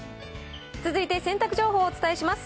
続いて洗濯情報をお伝えします。